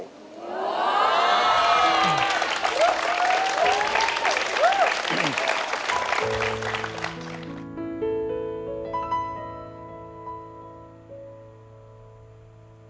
วู้ว